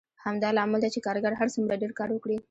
همدا لامل دی چې کارګر هر څومره ډېر کار وکړي